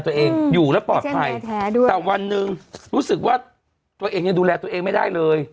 ตัวเองอยู่แล้วปลอดภัยแท้ด้วยแต่วันหนึ่งรู้สึกว่าตัวเองยังดูแลตัวเองไม่ได้เลย